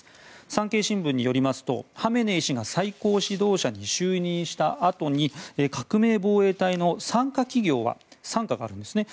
産経新聞によりますとハメネイ師が最高指導者に就任したあとに革命防衛隊の傘下企業は傘下があるんですね